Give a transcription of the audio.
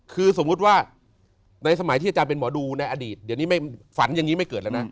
คือสมมุติว่าในสมัยที่อาจารย์เป็นหมอดูในอดีตเดี๋ยวนี้ไม่ฝันอย่างนี้ไม่เกิดแล้วนะ